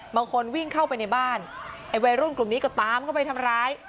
บางคนวิ่งเข้าไปในบ้านไอ้วัยรุ่นกลุ่มนี้ก็ตามเข้าไปทำร้าย